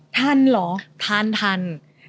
ทันเหรอทัน